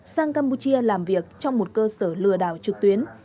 sang campuchia làm việc trong một cơ sở lừa đảo trực tuyến